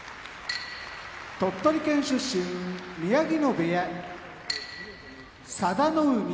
鳥取県出身宮城野部屋佐田の海